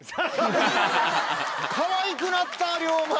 かわいくなった龍馬！